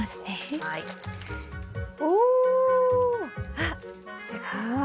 あっすごい。